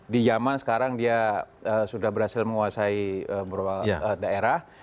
di zaman sekarang dia sudah berhasil menguasai beberapa daerah